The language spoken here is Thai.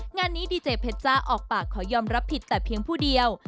งานนี้ดีเจเพชจ้าออกปากขอยอมรับผิดแต่เพียงผู้เดียว